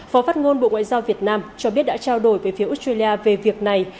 phó phát ngôn bộ ngoại giao việt nam cho biết đã trao đổi với phía australia về việc này